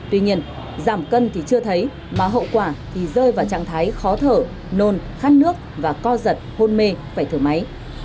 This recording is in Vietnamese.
tuy nhiên giảm cân thì chưa thấy mà hậu quả thì rơi vào trạng thái khó thở nôn khát nước và co giật hôn mê phải thở máy